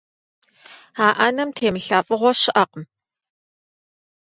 А ӏэнэм темылъа фӀыгъуэ щыӀэкъым.